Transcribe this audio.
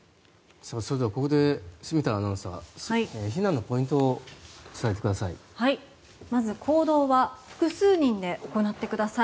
ここで住田アナウンサー避難のポイントを伝えてください。